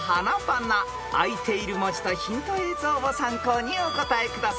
［あいている文字とヒント映像を参考にお答えください］